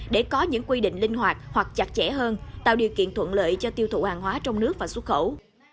để có những quy định linh hoạt hoặc chặt chẽ hơn tạo điều kiện thuận lợi cho tiêu thụ hàng hóa trong nước và xuất khẩu